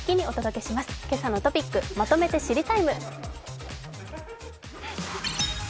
「けさのトピックまとめて知りＴＩＭＥ，」